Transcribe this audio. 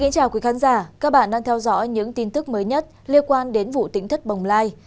các bạn đang theo dõi những tin tức mới nhất liên quan đến vụ tỉnh thất bồng lai